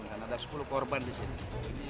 karena ada sepuluh korban di sini